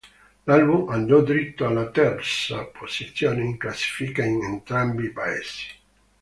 L'album andò dritto alla terza posizione in classifica in entrambi i Paesi.